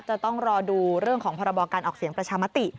จะต้องรอดูเรื่องของพรบการออกเสียงประชามติ